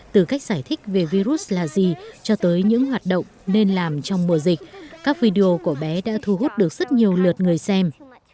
từ cách giải thích về virus là gì cho tới những hoạt động nên làm trong mùa dịch các video của bé đã thu hút được rất nhiều lượt người xem